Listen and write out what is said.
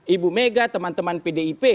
ibu mega teman teman pdip